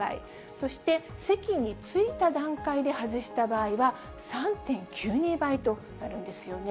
そして席に着いた段階で外した場合は３．９２倍となるんですよね。